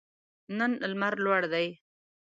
نن لمر لوړ دی